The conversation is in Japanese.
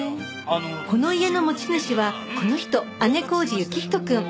この家の持ち主はこの人姉小路行人くん